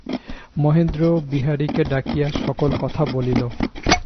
মহেন্দ্র বিহারীকে ডাকিয়া সকল কথা বলিল।